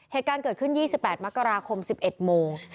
เหตุการณ์เกิดขึ้น๒๘มกราคม๑๑โมง